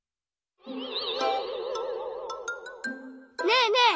ねえねえ